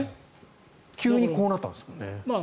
急にこうなったんですもんね。